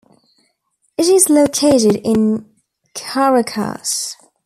It is located in Caracas.